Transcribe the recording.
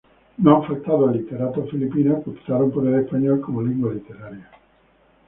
No han faltado literatos filipinos que optaron por el español como lengua literaria.